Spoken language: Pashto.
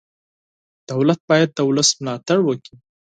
دولت باید د ولس ملاتړ وکړي.